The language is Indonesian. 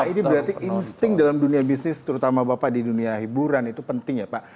nah ini berarti insting dalam dunia bisnis terutama bapak di dunia hiburan itu penting ya pak